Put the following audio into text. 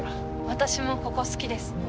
私もここ好きです。